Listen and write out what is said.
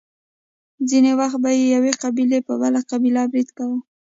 ځینې وخت به یوې قبیلې په بله قبیله برید کاوه.